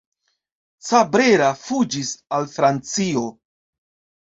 Cabrera fuĝis al Francio.